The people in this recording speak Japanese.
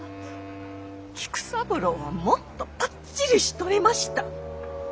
菊三郎はもっとパッチリしとりました。